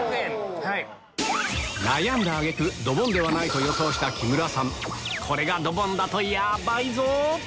悩んだ挙げ句ドボンではないと予想した木村さんこれがドボンだとヤバいぞ！